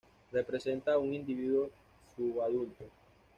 Representa a un individuo subadulto.